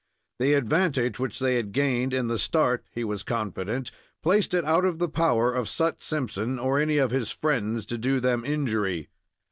The advantage which they had gained in the start, he was confident, placed it out of the power of Sut Simpson, or any of his friends, to do them injury.